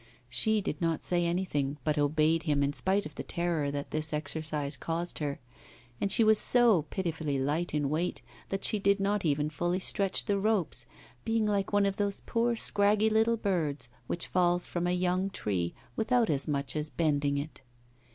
She did not say anything, but obeyed him in spite of the terror that this exercise caused her; and she was so pitifully light in weight that she did not even fully stretch the ropes, being like one of those poor scraggy little birds which fall from a young tree without as much as bending it.